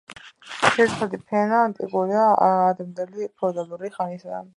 ძირითადი ფენა ანტიკური და ადრინდელი ფეოდალური ხანისაა.